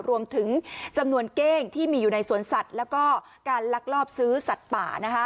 รวมถึงจำนวนเก้งที่มีอยู่ในสวนสัตว์แล้วก็การลักลอบซื้อสัตว์ป่า